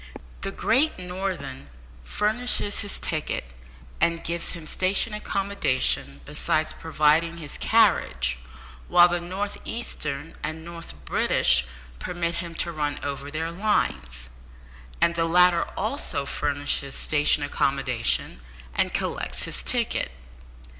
The Great Northern furnishes his ticket, and gives him station accommodation besides providing his carriage, while the North Eastern and North British permit him to run over their lines; and the latter also furnishes station accommodation, and collects his ticket.